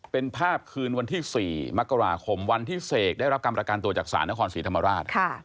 เป็นภาพคืนวันที่๔มกราคมวันที่เสกได้รับการประกันตัวจากศาลนครศรีธรรมราช